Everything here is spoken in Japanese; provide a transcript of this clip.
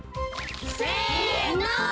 せの！